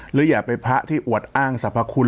อย่าไปพระที่อวดอ้างสรรพคุณ